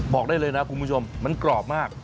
บอกได้เลยนะคุณผู้ชมมันกรอบมาก